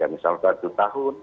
misal satu tahun